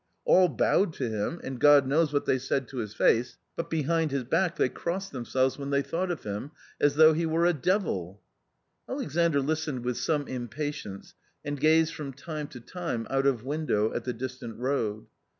All bowed to him, and God knows what they said to his face, but behind his back they crossed themselves when they thought of him, as though he were a devil." Alexandr listened with some impatience and gazed from time to time out of window at the distant road.